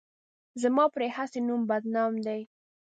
زما پرې هسې نوم بدنام دی.